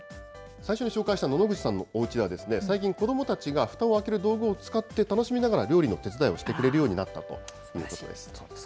最初に紹介した野々口さんのおうちでは、最近、子どもたちがふたを開ける道具を使って楽しみながら料理の手伝いをしてくれるようになったということです。